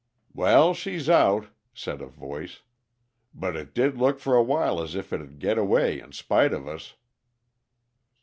"Well, she's out," said a voice, "But it did look for a while as if it'd get away in spite of us."